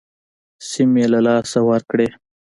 سیمې یې له لاسه ورکړې.